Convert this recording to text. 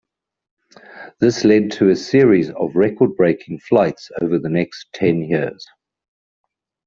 This led to a series of record-breaking flights over the next ten years.